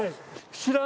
知らん？